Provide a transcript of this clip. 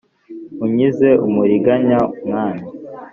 Unkize umuriganya mwami